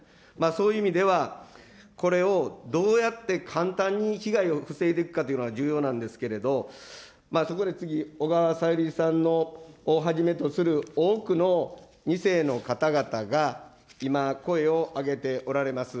そういう意味では、これをどうやって簡単に被害を防いでいくかというのが重要なんですけど、そこで次、小川さゆりさんをはじめとする多くの２世の方々が今、声を上げておられます。